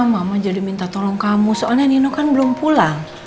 mama jadi minta tolong kamu soalnya nino kan belum pulang